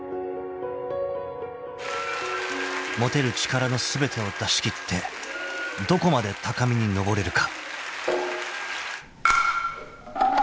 ［持てる力の全てを出し切ってどこまで高みに登れるか］